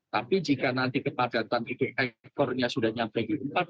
tapi jika nanti kepadatan itu ekornya sudah nyampe empat ratus dua puluh lima